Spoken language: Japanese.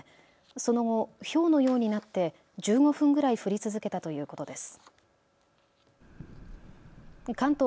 その後、ひょうのようになって１５分ぐらい降り続けたということです。